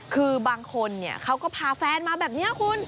คือบางคนเขาก็พาแฟนมาแบบนี้คุณ